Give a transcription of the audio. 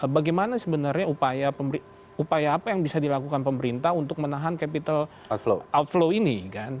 bagaimana sebenarnya upaya apa yang bisa dilakukan pemerintah untuk menahan capital outflow ini